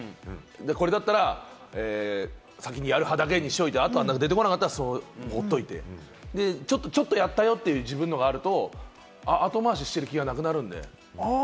これだったら、先にやる派だけにしておいて、出てこなかったらほっといて、ちょっとやったよっていうのがあると、後回ししてる気がなくなるんで。